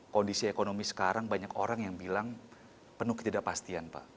kondisi ekonomi sekarang banyak orang yang bilang penuh ketidakpastian pak